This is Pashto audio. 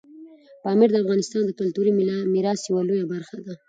پامیر د افغانستان د کلتوري میراث یوه لویه برخه ده.